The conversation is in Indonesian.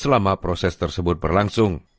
selama proses tersebut berlangsung